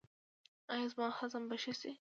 ایا زما هضم به ښه شي؟